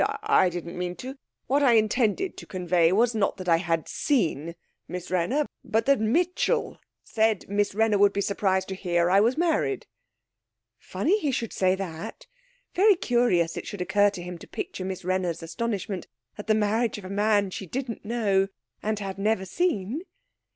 I didn't mean to. What I intended to convey was, not that I had seen Miss Wrenner, but that Mitchell said Miss Wrenner would be surprised to hear I was married.' 'Funny he should say that very curious it should occur to him to picture Miss Wrenner's astonishment at the marriage of a man she didn't know, and had never seen.'